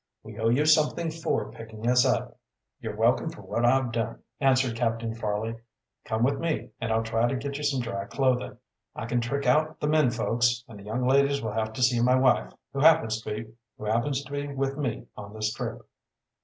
"We owe you something for, picking us up." "You're welcome for what I've done," answered Captain, Fairleigh. "Come with me, and I'll try to get you some dry clothing. I can trick out the men folks, and the young ladies will have to see my wife, who happens to be with me on this trip."